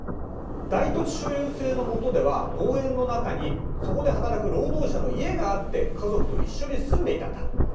大土地所有制の下では農園の中にそこで働く労働者の家があって家族と一緒に住んでいたんだ。